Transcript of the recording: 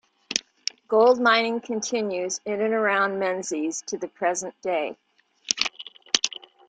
Gold mining continues in and around Menzies to the present day.